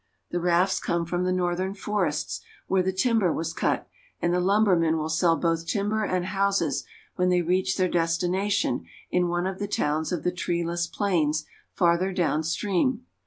The rafts come from the northern forests, where the timber was cut, and the lumbermen will sell both timber and houses when they reach their destination in one of the towns of the tree less plains farther down stream.